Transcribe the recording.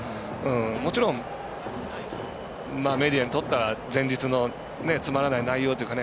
もちろん、メディアにとったら前日のつまらない内容というか